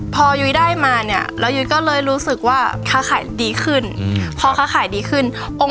พอยุยได้มายุยก็เลยรู้สึกว่าค่าข่ายดีขึ้น